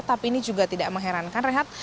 tapi ini juga tidak meherankan renhat